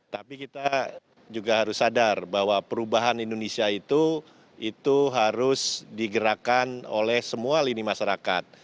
tapi kita juga harus sadar bahwa perubahan indonesia itu harus digerakkan oleh semua lini masyarakat